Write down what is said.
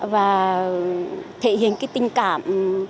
và thể hiện tình cảm